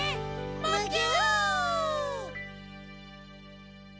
むぎゅ！